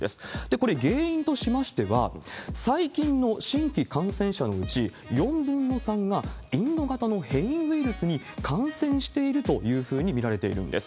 これ、原因としましては、最近の新規感染者のうち、４分の３がインド型の変異ウイルスに感染しているというふうに見られているんです。